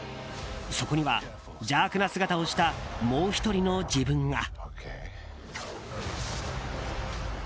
そこには、邪悪な姿をしたもう１人の自分が。